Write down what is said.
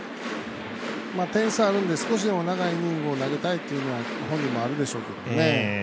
点差あるんで少しでも長いイニングを投げたいっていうのは本人もあるでしょうけどね。